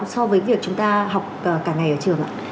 so với việc chúng ta học cả ngày ở trường ạ